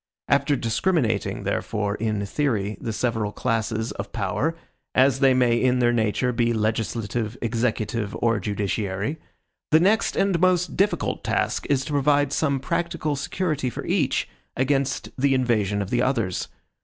After discriminating, therefore, in theory, the several classes of power, as they may in their nature be legislative, executive, or judiciary, the next and most difficult task is to provide some practical security for each, against the invasion of the others.